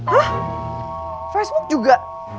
hah facebook juga